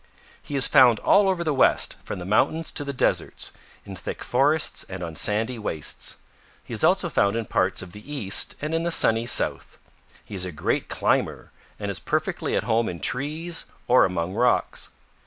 "He is found all over the West, from the mountains to the deserts, in thick forests and on sandy wastes. He is also found in parts of the East and in the Sunny South. He is a great climber and is perfectly at home in trees or among rocks.